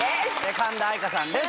神田愛花さんです。